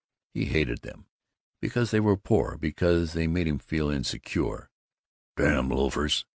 He hated them, because they were poor, because they made him feel insecure. "Damn loafers!